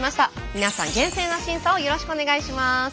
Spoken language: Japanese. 皆さん厳正な審査をよろしくお願いします。